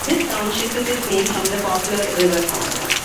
This township took its name from the Poplar River.